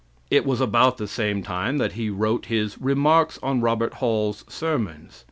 It was about the same time that he wrote his "Remarks on Robert Hall's Sermons."